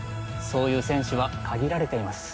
そういう選手は限られています